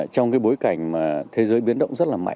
trong bối cảnh thế giới biến động rất là mạnh như vậy